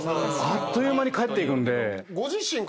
あっという間に帰ってく。